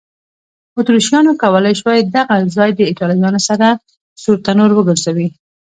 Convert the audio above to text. اتریشیانو کولای شوای دغه ځای د ایټالویانو لپاره سور تنور وګرځوي.